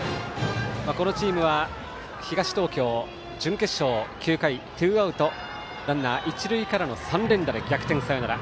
このチームは東東京準決勝９回ツーアウトランナー、一塁からの３連打で逆転サヨナラ。